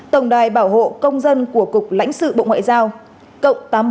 tổng đài bảo hộ công dân của cục lãnh sự bộ ngoại giao